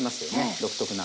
独特な。